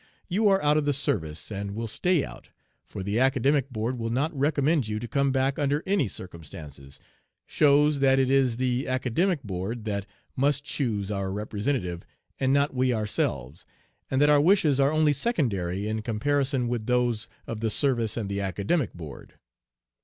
'You are out of the service and will stay out,' for 'the Academic Board will not recommend you to come back under any circumstances,' shows that it is the Academic Board That must choose our representative, and not we ourselves, and that our wishes are only secondary in comparison with those of the service and the Academic Board.